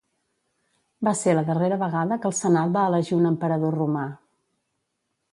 Va ser la darrera vegada que el Senat va elegir un Emperador Romà.